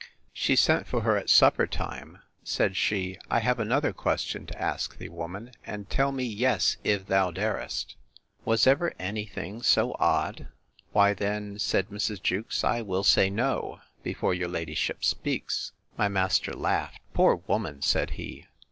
She sent for her at supper time: Said she, I have another question to ask thee, woman, and tell me yes, if thou darest. Was ever any thing so odd?—Why then, said Mrs. Jewkes, I will say No, before your ladyship speaks.—My master laughed: Poor woman! said he.